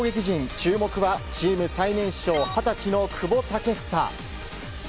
注目は、チーム最年少二十歳の久保建英。